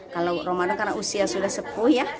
kalau ramadan karena usia sudah sepuh ya